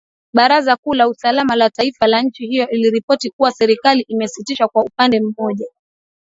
baraza kuu la usalama la taifa la nchi hiyo iliripoti kuwa serikali imesitisha kwa upande mmoja